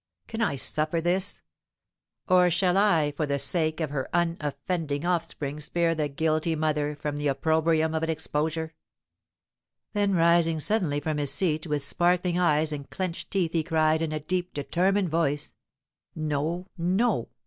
Can I suffer this? Or shall I for the sake of her unoffending offspring spare the guilty mother from the opprobrium of an exposure?" Then rising suddenly from his seat, with sparkling eyes and clenched teeth he cried, in a deep, determined voice, "No, no!